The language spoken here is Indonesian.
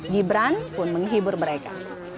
gibran pun menghibur mereka